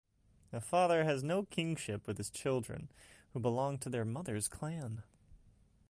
The father has no kinship with his children, who belong to their mother's clan.